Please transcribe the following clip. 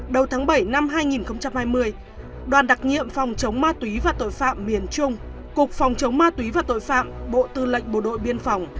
đầu tháng bảy năm hai nghìn hai mươi đoàn đặc nhiệm phòng chống ma túy và tội phạm miền trung cục phòng chống ma túy và tội phạm bộ tư lệnh bộ đội biên phòng